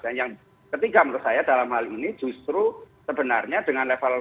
dan yang ketiga menurut saya dalam hal ini justru sebenarnya dengan level tiga